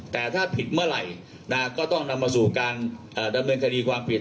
แต่ถ้าผิดเมื่อไหร่ก็ต้องนำมาสู่การดำเนินคดีความผิด